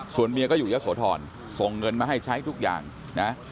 ส่วนเมียก็อยู่ยะโสธรส่งเงินมาให้ใช้ทุกอย่างนะ